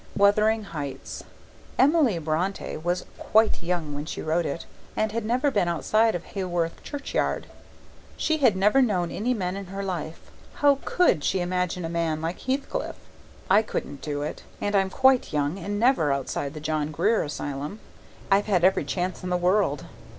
Wuthering Heights. Emily Bronte was quite young when she wrote it, and had never been outside of Haworth churchyard. She had never known any men in her life; how COULD she imagine a man like Heathcliffe? I couldn't do it, and I'm quite young and never outside the John Grier Asylum I've had every chance in the world.